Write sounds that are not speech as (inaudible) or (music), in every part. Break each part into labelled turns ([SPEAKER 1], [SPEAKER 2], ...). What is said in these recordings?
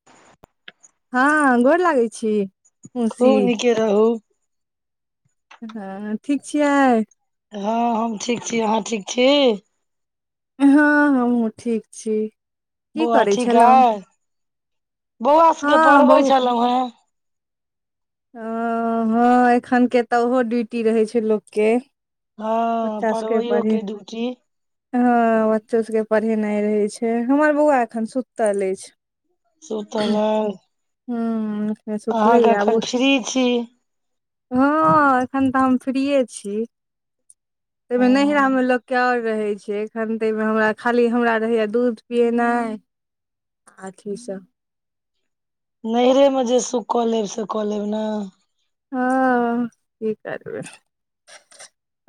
[SPEAKER 1] (unintelligible)
[SPEAKER 2] हँ, गोर लागै छी। मौसी
[SPEAKER 1] खूब नीके रहू।
[SPEAKER 2] हँ ठीक छियै।
[SPEAKER 1] हँ हम ठीक छी, अहाँ ठीक छी।
[SPEAKER 2] हँ, हमहुँ ठीक छी। की
[SPEAKER 1] बौआ
[SPEAKER 2] करै
[SPEAKER 1] ठीक अ,
[SPEAKER 2] छलहुँ
[SPEAKER 1] इ बौआ सबके
[SPEAKER 2] हँ
[SPEAKER 1] पढ़बै
[SPEAKER 2] बहु
[SPEAKER 1] छलहु हेँ।
[SPEAKER 2] ह, हँ एखन के तऽ ओहो ड्यूटी रहै छै लोक के।
[SPEAKER 1] हँ
[SPEAKER 2] बच्चा सबके
[SPEAKER 1] पढ़बैयो
[SPEAKER 2] पढ़े
[SPEAKER 1] के ड्यूटी।
[SPEAKER 2] हँ बच्चो सबके पढ़ेनाइ रहे छै, हमर बौआ एखन सुतल अछि।
[SPEAKER 1] सुतलौं।
[SPEAKER 2] हूं, हूं अखने सुतलेयै, आब
[SPEAKER 1] एखन
[SPEAKER 2] उठ।
[SPEAKER 1] फ्री छी
[SPEAKER 2] हँ एखन तऽ हम फ्रीए छी, तइमें नैहरामें
[SPEAKER 1] हँ
[SPEAKER 2] लोक। क्यर रहै छै, एखन तऽमें हमरा खाली हमरा रहैय दूध पियेनाइ। आथी सब।
[SPEAKER 1] नैहरेमें, जे सुख कऽ लेब से कऽ लेब ने।
[SPEAKER 2] हँ, की करबै।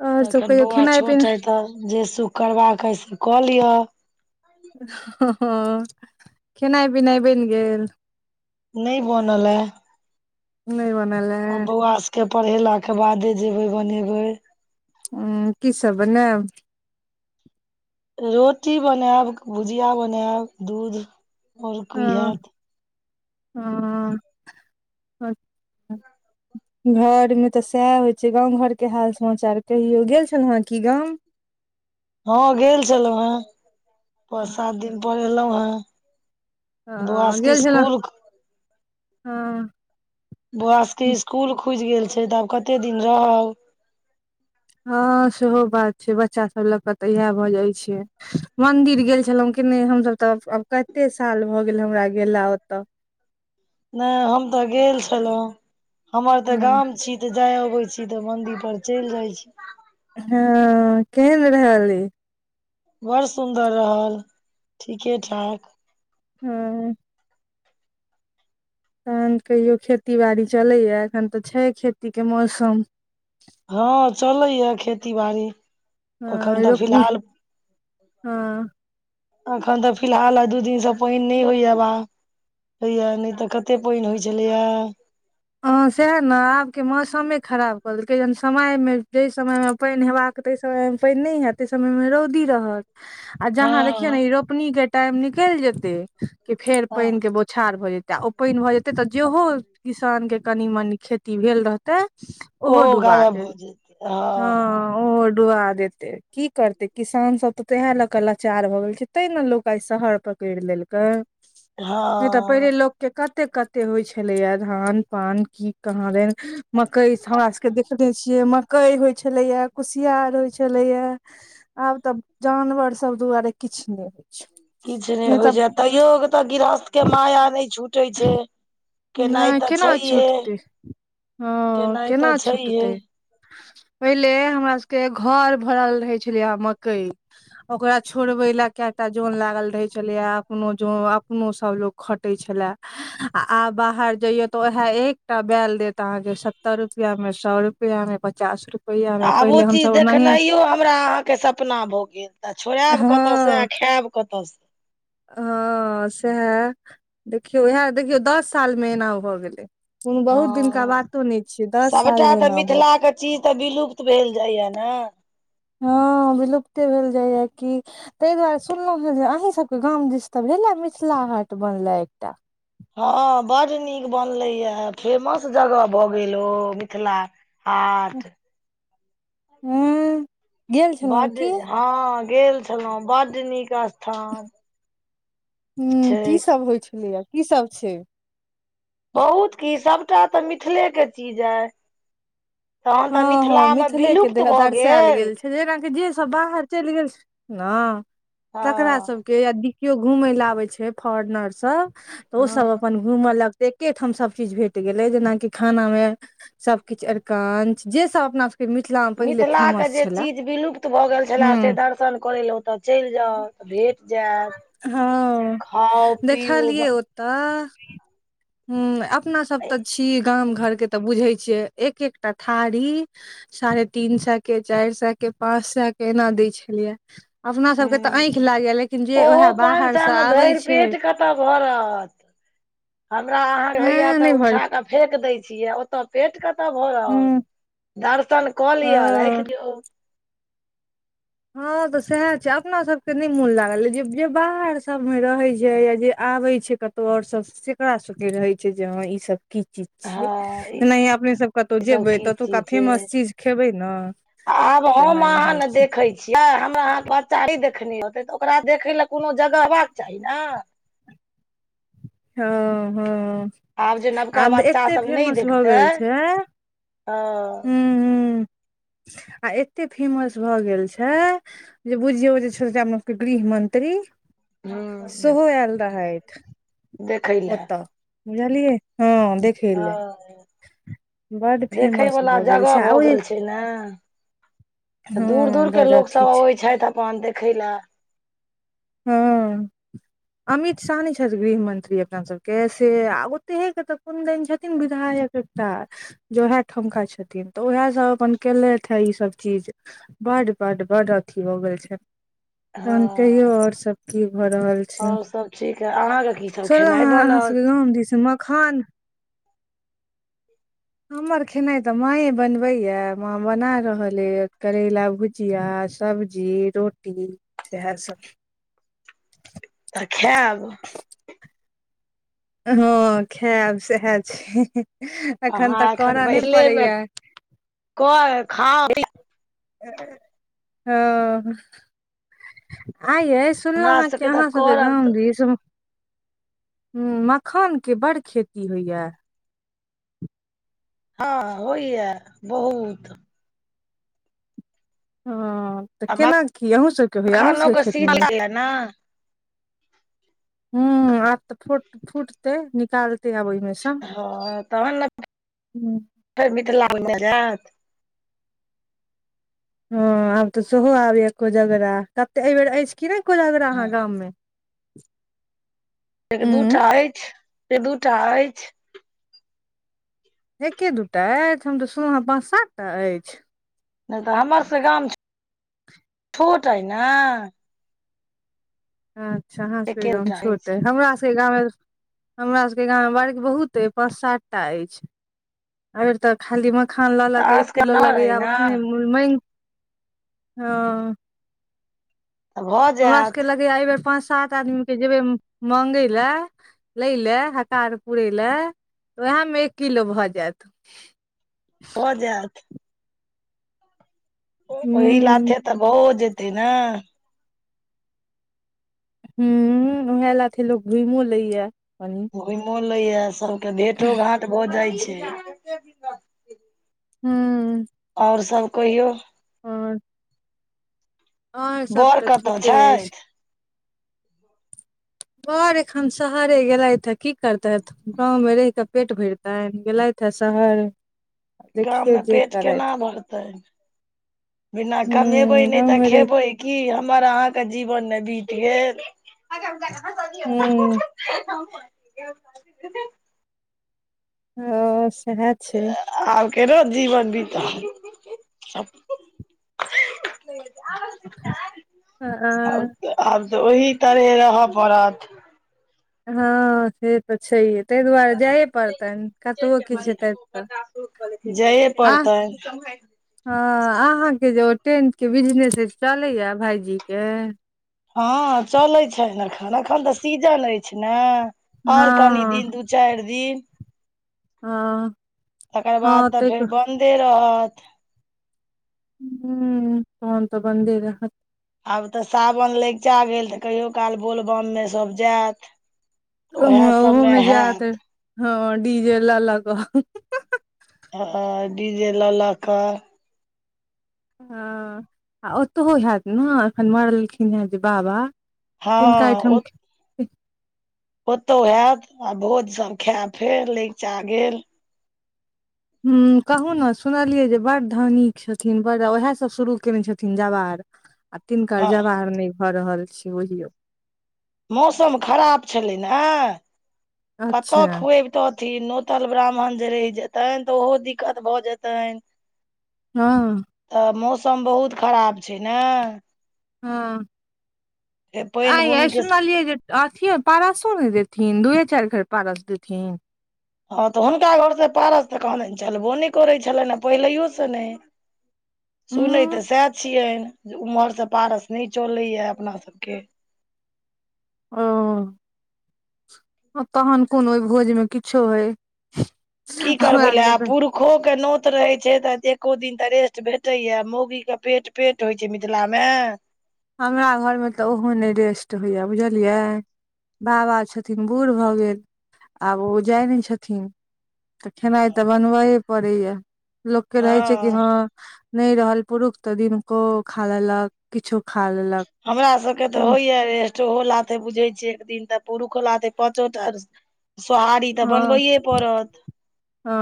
[SPEAKER 2] आओर सब
[SPEAKER 1] एखन
[SPEAKER 2] कहियौ
[SPEAKER 1] बौआ
[SPEAKER 2] खेनाइ पिनाइ
[SPEAKER 1] छोट हइ तऽ, जे सुख करबाक अइ से कऽ लिय।
[SPEAKER 2] ह, ह, हँ खेनाइ-पिनाइ बनि गेल।
[SPEAKER 1] नइ बनलए,
[SPEAKER 2] नहि बनल
[SPEAKER 1] आ
[SPEAKER 2] ए
[SPEAKER 1] बौआ। के पढ़ेलाके बादे, जेबै बनेबै।
[SPEAKER 2] हूं, की सब बनैब।
[SPEAKER 1] रोटी बनैब, भुजिया बनैब, दूध। आओर की
[SPEAKER 2] ह,
[SPEAKER 1] हैत
[SPEAKER 2] हँ अछा। घर में तऽ सएह होइ छै, गांव-घरके हाल समाचार कहियौ, गेल छलहुँ हेँ की गाम।
[SPEAKER 1] हँ गेल छलहुँ हें, पाँच-सात दिन पर एलहुँं हें।
[SPEAKER 2] हँ गेल छलहूऽ, हँ।
[SPEAKER 1] बौआ सबके स्कूल खुइज गेल छै तऽ आब कत्ते दिन रहब।
[SPEAKER 2] हँ सेहो बात छै, बच्चा सब लऽ क तऽ इएह भऽ जाइत छै। मंन्दिर गेल छलहुँं किने, हमसभ तऽ आब कत्ते साल भऽ गेल हमरा गेला ओतऽ।
[SPEAKER 1] नहि हम तऽ गेल छलहुँं हमर तऽ
[SPEAKER 2] हँ
[SPEAKER 1] गाम छी। त जाय अबै छी तऽ मंदिर पर चलि जाइ छी।
[SPEAKER 2] हँ केहन रहले।
[SPEAKER 1] बड़ सुन्दर रहल ठिके ठाक।
[SPEAKER 2] हँ। तहन कहियो खेती बाड़ी चलैए एखन तऽ छय खेती के मौसम।
[SPEAKER 1] हँ चलैए खेती बाड़ी।
[SPEAKER 2] हँ
[SPEAKER 1] अखन तऽ
[SPEAKER 2] रोपनी
[SPEAKER 1] फिलहाल।
[SPEAKER 2] हँ
[SPEAKER 1] अखन तऽ फिलहाल आ दू दिन से पानी नहि होइया बा। होइया नहि तऽ कते पाइन होइ छलैया।
[SPEAKER 2] सेह ने आबके मौसमे खराब कऽ देलकै हन समय में जहि समय मे पैन हेबाक तैहि समय में पैन नहि हैत तैहि समय में रौदी रहत आ जहाॅं देखियो
[SPEAKER 1] हँ
[SPEAKER 2] ने ई रोपनीके टाइम निकैल जेते कि फेर पैन के बोछार भ जेते। तऽ ओ पैन भऽ जेतै तऽ जेहो किसानके कनी मनी खेती भेल रहतै ओहो डुबा
[SPEAKER 1] गायब
[SPEAKER 2] देत
[SPEAKER 1] भऽ जेतै
[SPEAKER 2] हँ। ओहो डुबा देते की करतय किसान सब तऽ तेएह लक लाचार भऽ गेल छय। तै ने लोक आइ शहर पकैर लेलकै नहि तऽ
[SPEAKER 1] हँ
[SPEAKER 2] पहिले लोक के कते कते होइ छलैया धान पान की कहाँ दैन। मकई हमरा सबके देखनेे छियै मकई होइ छलैया, कुसियार होइ छलैया। आब तऽ जानवर सब दुआरे किछ नहि होइ छय।
[SPEAKER 1] किछ नहि होइ छय, तैयो तऽ गृहस्थ के माया नहि छुटै छैय।
[SPEAKER 2] नहि कैना छुटतै हँ
[SPEAKER 1] केनाइ तऽ
[SPEAKER 2] कैना
[SPEAKER 1] छैहे
[SPEAKER 2] छुटतै। पहिले हमरा सबके घर भरल रहै छलेय मकइ। ओकरा छोड़बै लए कैटा जोन लागल रहै छलैया अपनो जव अपनो सभ लोक खटै छला। हँ आ आ बाहर जाइयो तऽ उहा एकटा बैल देत अहाके सत्तर रुपइया में, सौ रुपइया में, पचास रुपैया।
[SPEAKER 1] आब ओ चीज देखनाइयो हमरा अहाँ के सपना भऽ गैल। तऽ छोड़ाईब
[SPEAKER 2] हँ
[SPEAKER 1] कतऽ से आ खाईब कतऽ से।
[SPEAKER 2] हँ सहा देखियौ इहा देखियौ दस सालमे एना भऽ गेलै कोनो बहुत दिनका
[SPEAKER 1] हँ
[SPEAKER 2] बातो नहि छियै दस सालमे एना भगेल।
[SPEAKER 1] चिज तऽ विलुप्त भेल जाइए ने।
[SPEAKER 2] हँ विलुप्ते भेल जाइए की। तै दुआरे सुनलो हुँ जे अहींसभके गाम दिस तऽ भेले मिथिला हाट बनले एकटा।
[SPEAKER 1] हँ बड़ नीक बनलैए हॅं फेमस जगह भऽ गेल ओ मिथिला हाट।
[SPEAKER 2] हूँ।
[SPEAKER 1] बड़ हँ गेल छलहुँ बड़ नीक स्थान।
[SPEAKER 2] हूॅं
[SPEAKER 1] छै
[SPEAKER 2] की सब होइ छलैय की सब छय।
[SPEAKER 1] बहुत की सबटा तऽ मिथिले के चिज अइ। तहन तऽ
[SPEAKER 2] हँ हँ
[SPEAKER 1] मिथिला में
[SPEAKER 2] मिथिले के
[SPEAKER 1] विलुप्त
[SPEAKER 2] देह
[SPEAKER 1] भऽ
[SPEAKER 2] दर्शायल
[SPEAKER 1] गैल।
[SPEAKER 2] गेल जेना कि जे स सब बाहर चेल गेल ने तकरा
[SPEAKER 1] हँ
[SPEAKER 2] सब। के यदि कियो घूमे ले आबे छय फोरनर सब ओ सब
[SPEAKER 1] हँ
[SPEAKER 2] अपन घूमल लगते एके ठाम सब चीज भेट गेलै जेनाकि खाना में सब किछ अरकंच जे सब अपना के मिथिला मे पहिले
[SPEAKER 1] मिथिला के
[SPEAKER 2] फेमस
[SPEAKER 1] जे
[SPEAKER 2] छलए
[SPEAKER 1] चिज विलुप्त भऽ गेल छेला से
[SPEAKER 2] हूँ
[SPEAKER 1] दर्शन करै लऽ ओतऽ चैल जाउ तऽ भेट जायत।
[SPEAKER 2] हँ,
[SPEAKER 1] खाउ पिउ
[SPEAKER 2] देखलियै ओतऽ हुॅं। अपना सब तऽ छी गाम घर के तऽ बुझे छियै, एक एकटा थारी साढ़े तीन सए के चार सए के पाँच सए के एना दै छलैये। अपना सब के तऽ आंखि लागैये, लेकिन जे ओएह
[SPEAKER 1] चारि सै मे भरि पेट कत से भरत, हमरा अहां होइये
[SPEAKER 2] ए
[SPEAKER 1] त
[SPEAKER 2] नहि भर
[SPEAKER 1] उठाके फेेक दै छियै ओतऽ। पेट कतऽ
[SPEAKER 2] हूं
[SPEAKER 1] भरत, दर्शन कऽ लिअ राखि
[SPEAKER 2] हँ
[SPEAKER 1] दियौ।
[SPEAKER 2] हँ तऽ सएह छै अपना सबके नहि मोन लागल, जे जे बाहर सभमे रहैत छै या जे आबै छै कतहु त और सब, तेकरा सबके रहे छै जे हँ ई सब की चीज
[SPEAKER 1] हँ
[SPEAKER 2] छियै।
[SPEAKER 1] ई
[SPEAKER 2] जेनाहि अपने सब कतहु जेबै
[SPEAKER 1] की
[SPEAKER 2] ततुका
[SPEAKER 1] चीज छै
[SPEAKER 2] फेमस चीज खेबै ने?
[SPEAKER 1] आब हम अहाँ
[SPEAKER 2] तेनाहिये
[SPEAKER 1] ने
[SPEAKER 2] छै
[SPEAKER 1] देख हमरा अहाँके बच्चा क देखने होते तऽ ओकरा देखे ल कोनो जगह हेबाक चाही ने
[SPEAKER 2] हँ हँ।
[SPEAKER 1] आब जे
[SPEAKER 2] आ
[SPEAKER 1] नवका बच्चा
[SPEAKER 2] एते
[SPEAKER 1] सब नहि
[SPEAKER 2] फेमस
[SPEAKER 1] देखतै, त
[SPEAKER 2] हुं हुं आ एते फेमस भऽ गेल छै जे बुझियौ जे छुरजामल के गृह मंत्री
[SPEAKER 1] ह
[SPEAKER 2] सेहो आयल रहथि।
[SPEAKER 1] देखै
[SPEAKER 2] ओ तऽ बुझलियै हँ देख
[SPEAKER 1] आ।
[SPEAKER 2] फेमस
[SPEAKER 1] देखैयवला
[SPEAKER 2] भऽ गेल
[SPEAKER 1] जगह
[SPEAKER 2] छै आ
[SPEAKER 1] भऽ
[SPEAKER 2] ओहि
[SPEAKER 1] गेल छै ने तऽ दूर दूर
[SPEAKER 2] हँ
[SPEAKER 1] के
[SPEAKER 2] बड अथी
[SPEAKER 1] लोकसभ
[SPEAKER 2] छै
[SPEAKER 1] अबै छथि अपन देखै ले।
[SPEAKER 2] हँ। अमित शाह नै छथि गृह मंत्री अपना सबके से आ ओतेहे के तऽ कोन देन छथिन विधायक टा जे उएह ठमका छथिन तऽ उएह सभ अपन केलथि हे ईसभ चीज। बड बड बड अथि हो गेल छै। त, भंन कहियो
[SPEAKER 1] हँ
[SPEAKER 2] आओर की भऽ रहल छै,
[SPEAKER 1] आओर सब ठीक ह अहाँके की सब
[SPEAKER 2] सुनलहुँ
[SPEAKER 1] खेनाइ
[SPEAKER 2] हेँ
[SPEAKER 1] बनल
[SPEAKER 2] अहाँसभके गाम दिस मखान हमर खेनाइ तऽ माँए बनबैए, माँ बना रहल अछि करैला भुज भुजिया सब्जी रोटी इएह सब।
[SPEAKER 1] तऽ खायब।
[SPEAKER 2] हँ खायब सएह छै, एखन
[SPEAKER 1] अहाँ
[SPEAKER 2] तऽ करऽ नहि पड़ैये।
[SPEAKER 1] को खाइ।
[SPEAKER 2] हं, एं यै। सुनलउ
[SPEAKER 1] हमरा
[SPEAKER 2] हें कि
[SPEAKER 1] सबके तऽ
[SPEAKER 2] अहां सभके
[SPEAKER 1] करब
[SPEAKER 2] गाम
[SPEAKER 1] तऽ
[SPEAKER 2] दिस ह मखानके बड खेती होइये।
[SPEAKER 1] हँ होइयै बहुत।
[SPEAKER 2] हँ तऽ
[SPEAKER 1] आ
[SPEAKER 2] केना की अहूँ सभके होइये अहूँ
[SPEAKER 1] मखानो
[SPEAKER 2] सभके
[SPEAKER 1] के
[SPEAKER 2] खेतमे होइ
[SPEAKER 1] सीजन य ने
[SPEAKER 2] हु आब तऽ फ फूटते निकालतै आब ओहिमे सँ
[SPEAKER 1] हँ तखन ने फेर मिथिला मे जायब।
[SPEAKER 2] हं आब तऽ सेहो अबैये कोजगरा, कते एहि बेेर अछि कि नै कोजग‍रा अहाँ गाम मे।
[SPEAKER 1] एक
[SPEAKER 2] उंम्म
[SPEAKER 1] दूटा अछि, एक दूटा अछि।
[SPEAKER 2] एके दू टा अछि हम तऽ सुनलहुँ हेँ पाँच सात टा अछि।
[SPEAKER 1] नहि तऽ हमर सबके गाम छोट अइछ ने।
[SPEAKER 2] अच्छा अहाँ सबके गाँव छोट अछि हमरा सबके गाँवमे हमरा सबके गाममे बर्ग बहुत अछि, पाँच सात टा अछि। अइबेर त खाली मखान ल
[SPEAKER 1] तऽ
[SPEAKER 2] ल क
[SPEAKER 1] अहाँ
[SPEAKER 2] एक
[SPEAKER 1] सबके
[SPEAKER 2] किलो
[SPEAKER 1] नहर अइ
[SPEAKER 2] लगैया आब
[SPEAKER 1] ने
[SPEAKER 2] अपने (unintelligible)
[SPEAKER 1] तऽ भऽ
[SPEAKER 2] हमरा सबके
[SPEAKER 1] जायत
[SPEAKER 2] लगैया ऐ बेेर पाँच सात आदमीके जेबै माँंगै ले लै ले, हकार पुरै ले त ओहेमे एक किलो भ जाएत।
[SPEAKER 1] भ जाएत। ओही
[SPEAKER 2] हूँ
[SPEAKER 1] लाथे त भओ जेतै ने।
[SPEAKER 2] हुं उं उहे लाथे लोक घुइमो लैए कनी।
[SPEAKER 1] घुइमो लैए, सबके भेंटो घांट भ जाइ छै।
[SPEAKER 2] हुं उं
[SPEAKER 1] आओर सब कहियौ।
[SPEAKER 2] आओर।
[SPEAKER 1] बर
[SPEAKER 2] तऽ
[SPEAKER 1] कत
[SPEAKER 2] ठीके
[SPEAKER 1] छथि?
[SPEAKER 2] अछि बर एखन शहरे गेलथि ए की करतैथ? गाँवमे रहिक पेट भैरतनि गेलथिहे शहरे।
[SPEAKER 1] गाममे पेट केना भरतनि। बिना कमेबै
[SPEAKER 2] हूँ
[SPEAKER 1] नै
[SPEAKER 2] गाँव
[SPEAKER 1] त
[SPEAKER 2] मे रहि
[SPEAKER 1] खेबै की? हमर अहाँके जीवन ने बीत गेल ी
[SPEAKER 2] हूँ हं सेहे छै।
[SPEAKER 1] आब केना जीवन बीततै?
[SPEAKER 2] (inaudible) ह
[SPEAKER 1] आब त ओही तरहे रह परत।
[SPEAKER 2] हँ से त छैहे। तै दुआरे जाइए परतनि, कतबो किछु हेतैथ त।
[SPEAKER 1] जाए परतैन।
[SPEAKER 2] हं अहाँके जे ओ टेंट के बिजनेस ऐ चलैया भाईजी के?
[SPEAKER 1] हँ चलै छनि एखन, एखन त सीजन अछि ने आओर कनी दिन दू चारि दिन
[SPEAKER 2] हँ
[SPEAKER 1] (inaudible) तकर बाद
[SPEAKER 2] हँ
[SPEAKER 1] त फेर
[SPEAKER 2] ताहिके
[SPEAKER 1] बन दे रहत।
[SPEAKER 2] हुं तहन त बन्दे रहत।
[SPEAKER 1] आब त सावन लैगचा गेल त कहिओ काल बोलबममे सब जाएत।
[SPEAKER 2] अम ओहोमे जाएत, हं डी जे ल लक।
[SPEAKER 1] हं डी जे ल लक।
[SPEAKER 2] हं आ ओतहुओ हैत न, एखन मरलखिन हें जे बाबा? तिनका
[SPEAKER 1] हं
[SPEAKER 2] ओहिठाम
[SPEAKER 1] ओ ओतौ हैत आ भोज संग खाएब फेर लैगचा गेल।
[SPEAKER 2] हुं कहुने सुनलियै जे बड़ धनिक छथिन बड़, वैह सब शुरू केने छथिन जवार? आ तिनका
[SPEAKER 1] हँ
[SPEAKER 2] जवार नै भ रहल छै बुझिऔ।
[SPEAKER 1] मौसम खराब छलै ने (inaudible) कत
[SPEAKER 2] अच्छा
[SPEAKER 1] खुएब तथिन। नोतल ब्राह्मण जे रहि जेतनि त ओहो दिक्कत भ जेतनि।
[SPEAKER 2] हं।
[SPEAKER 1] त मौसम बहुत खराब छै ने?
[SPEAKER 2] हं
[SPEAKER 1] से
[SPEAKER 2] (inaudible)
[SPEAKER 1] पानि
[SPEAKER 2] एं यै
[SPEAKER 1] बुनी के
[SPEAKER 2] सुनलियै जे अथियो पारसो नहि देथिन, दूये चारि घर पारस देथिन।
[SPEAKER 1] हँ तऽ हुनका घर से पारस तऽ कहादेन चलबो नहि करै छलनि, आ पहिलैयो से नहि। सुनैत तऽ
[SPEAKER 2] उं
[SPEAKER 1] सएह छियनि जे ओम्हरसँ पारस नहि चलैए अपनासभके।
[SPEAKER 2] ओ तहन कोन ओहि भोज मे किछो होय।
[SPEAKER 1] कि करबै
[SPEAKER 2] हमरा
[SPEAKER 1] ओईला ले
[SPEAKER 2] सबके
[SPEAKER 1] आब
[SPEAKER 2] तऽ
[SPEAKER 1] पूुर- - खो के नोत रहे छैई तऽ एको दिन तऽ रेस्ट भेटेया मौगी के पेट - - पेट होइ छैई मिथिला मे।
[SPEAKER 2] हमरा उम्र मे तऽ ओहो नहि रेस्ट होइए बुझलियै। बाबा छथिन बूढ़ भऽ गेल, आब ओ जाइ नहि छथिन। तऽ खेनाइ तऽ बनबैए पड़ैया। लोकके रहै छै कि हँ नहि रहल पुरुष तऽ दिनको खा लेलक किछो। खा लेलक
[SPEAKER 1] हमरा सबके तऽ
[SPEAKER 2] हँ
[SPEAKER 1] होइया रे। सेहो लाते बुझे छिय एक दिन तऽ पुरुषो लाथे पाँचो टा सोहारी तऽ बनबैये। परत।
[SPEAKER 2] अ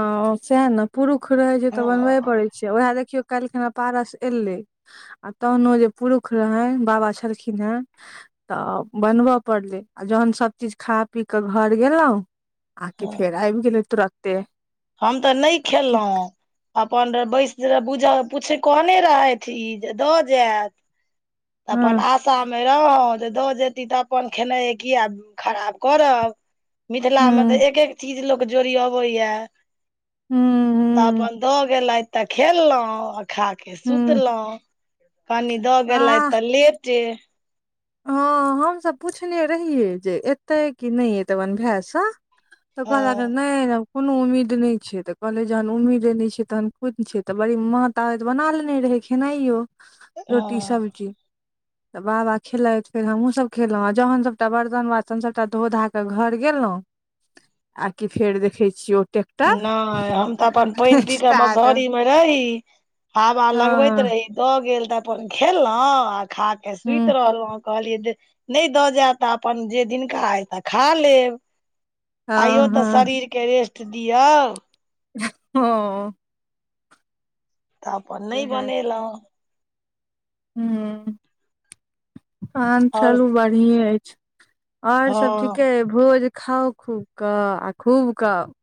[SPEAKER 2] सएह ने पुरुख रहे छैई तऽ बनबे
[SPEAKER 1] हँ
[SPEAKER 2] पड़ेई। उएह देखियौ काल्हि खना पारस एयलै। आ तहनो जे पुरुख रहै बाबा छलखिने। तऽ बनव पड़लै आ जहन सभ चीज खा पी कऽ घर गेलहुँ। आकी फेर एब गेले तोरते।
[SPEAKER 1] हम तऽ नहि खेललहुँ। अपन बै स पुछल पूछे कहने रहथि ई जे दऽ जायत। अपन
[SPEAKER 2] हँ
[SPEAKER 1] आशामे रहौँ दऽ जेतीह तऽ अपन खेनाइए किए खराब करब। मिथिलामे तऽ
[SPEAKER 2] हँ
[SPEAKER 1] एक एक चीज लोक जोड़ियोबैया।
[SPEAKER 2] हु हूँ।
[SPEAKER 1] तऽ अपन दऽ गेलेथ तऽ खेललहुँं आ खा के
[SPEAKER 2] हँ
[SPEAKER 1] सुतलहुँ कनि। द
[SPEAKER 2] आ
[SPEAKER 1] गेलाथ तऽ लेटे।
[SPEAKER 2] हँ हमसभ पुछने रहियै जे एतै कि नहि एतै अपनन भायसँ। तऽ क ह लागल
[SPEAKER 1] हँ
[SPEAKER 2] नेई एलो। कोनो उम्मीद नहि छै, तऽ कहलै जहन उम्मीद नहि छै, तहन खुदे पिछे तऽ बड़ी मात। ताबैत बना लेने रहे खेनाइयो रोटी
[SPEAKER 1] हँ
[SPEAKER 2] सब्जी त बाबा - - खेलाईथ फेर हमहूँसभ खेलहुँ आ जखन सभटा बरतन वासन सभटा धो धा कऽ घर गेल लो। आ कि फेर देखै छियै ओ- -
[SPEAKER 1] नहि हम तऽ अपन पईन पी क
[SPEAKER 2] स्टार्ट
[SPEAKER 1] मसहरी मे रही हवा लगबैत
[SPEAKER 2] हँ
[SPEAKER 1] रही। द गेल तऽ अपन खेलहु आ खा के
[SPEAKER 2] हँ
[SPEAKER 1] सुति रहलहुँ। कहलियै दे जे नहि दऽ जायत तऽ अपन जे दिनका अइ तऽ खा लेब। आइयो
[SPEAKER 2] हँ हँ
[SPEAKER 1] तऽ
[SPEAKER 2] हँ
[SPEAKER 1] शरीरके रेस्ट दियौ।
[SPEAKER 2] ह।
[SPEAKER 1] तऽ अपन नई बनेलहुँ।
[SPEAKER 2] हु तहेन
[SPEAKER 1] आओर
[SPEAKER 2] चालु बढ़िए अछि। अ ओर सब
[SPEAKER 1] हँ
[SPEAKER 2] ठीके भोज खाउ खूबक आ खूब क- -